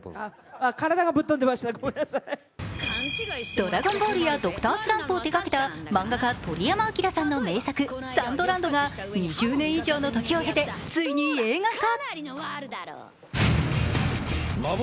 「ドラゴンボール」や「Ｄｒ．スランプ」を手がけた漫画家・鳥山明さんの名作「ＳＡＮＤＬＡＮＤ」が２０年以上の時を経てついに映画化。